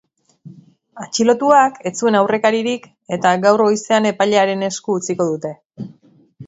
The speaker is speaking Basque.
Atxilotuak ez zuen aurrekaririk eta gaur goizean epailearen esku utziko dute.